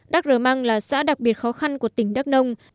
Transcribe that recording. đắk rờ măng là xã đặc biệt khó khăn của tỉnh đắk nông